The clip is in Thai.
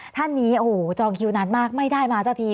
ท่านนี้จองคิวนานมากไม่ได้มาช่วงที